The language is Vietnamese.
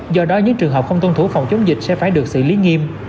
do đó những trường hợp không tuân thủ phòng chống dịch sẽ phải được xử lý nghiêm